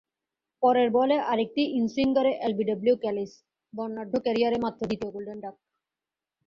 পরের বলে আরেকটি ইনসুইঙ্গারে এলবিডব্লু ক্যালিস, বর্ণাঢ্য ক্যারিয়ারে মাত্র দ্বিতীয় গোল্ডেন ডাক।